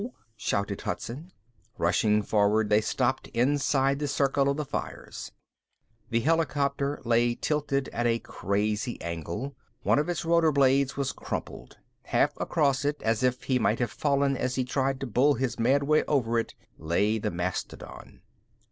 shouted Hudson. Rushing forward, they stopped inside the circle of the fires. The helicopter lay tilted at a crazy angle. One of its rotor blades was crumpled. Half across it, as if he might have fallen as he tried to bull his mad way over it, lay the mastodon.